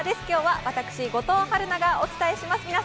今日は私、後藤晴菜がお伝えします。